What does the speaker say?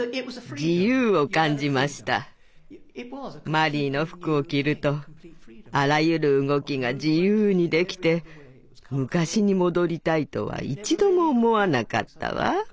マリーの服を着るとあらゆる動きが自由にできて昔に戻りたいとは一度も思わなかったわ。